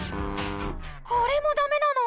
これもダメなの？